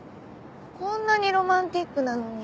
こんなにロマンチックなのに。